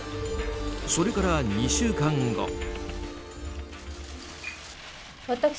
それから２週間後。